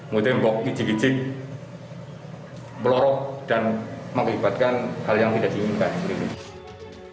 mungkin bawa kicik kicik belorok dan mengibatkan hal yang tidak diinginkan